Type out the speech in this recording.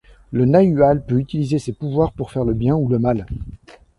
Le nahual peut utiliser ses pouvoirs pour faire le bien ou le mal.